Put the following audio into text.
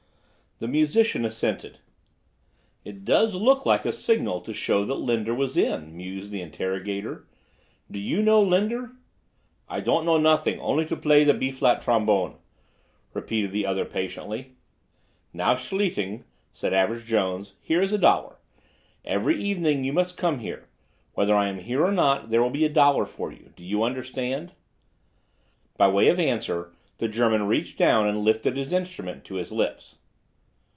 The musician assented. "It does look like a signal to show that Linder was in," mused the interrogator. "Do you know Linder?" "I don't know nothing only to play the B flat trombone," repeated the other patiently. "Now, Schlichting," said Average Jones, "here is a dollar. Every evening you must come here. Whether I am here or not, there will be a dollar for you. Do you understand?" By way of answer the German reached down and listed his instrument to his lips.